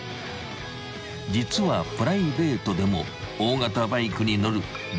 ［実はプライベートでも大型バイクに乗る］